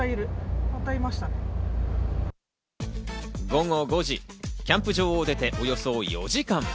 午後５時、キャンプ場を出ておよそ４時間。